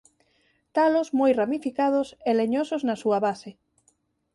Talos moi ramificados e leñosos na súa base.